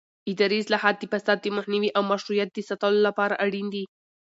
اداري اصلاحات د فساد د مخنیوي او مشروعیت د ساتلو لپاره اړین دي